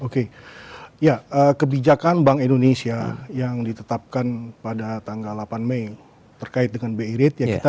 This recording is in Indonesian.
oke ya kebijakan bank indonesia yang ditetapkan pada tanggal delapan mei terkait dengan bi rate